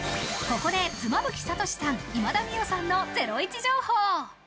ここで妻夫木聡さん、今田美桜さんのゼロイチ情報。